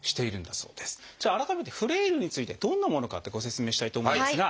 じゃあ改めてフレイルについてどんなものかってご説明したいと思うんですが。